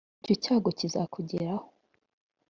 icyo cyago kizakugeraho,